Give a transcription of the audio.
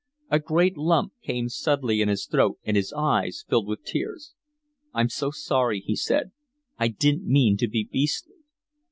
A great lump came suddenly in his throat and his eyes filled with tears. "I'm so sorry," he said. "I didn't mean to be beastly."